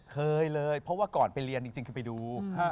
เคยเลยเพราะว่าก่อนไปเรียนจริงคือไปดู